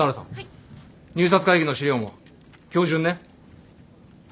入札会議の資料も今日中にね。